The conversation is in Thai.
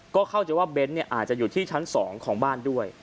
ก็เข้าใจว่าเบนท์อาจจะอยู่ที่ชั้น๒ของบ้านด้วย